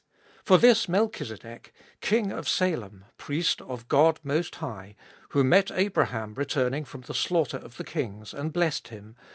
For this Melchizedek, king of Salem, priest of God Most High, who met Abraham returning from the slaughter of the kings, and blessed him, 2.